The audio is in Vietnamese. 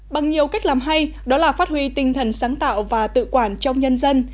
bằng nhiều cách làm hay đó là phát huy tinh thần sáng tạo và tự quản trong nhân dân